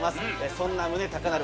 そんな胸高鳴る